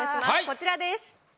こちらです。